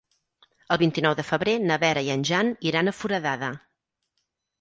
El vint-i-nou de febrer na Vera i en Jan iran a Foradada.